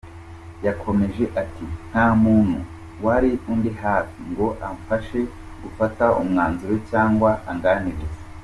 Yakomeje ati “nta muntu wari undi hafi ngo amfashe gufata umwanzuro cyangwa anganirize.